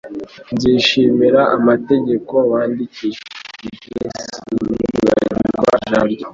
Nzishimira amategeko wandikishije, sinzibagirwa ijambo ryawe.»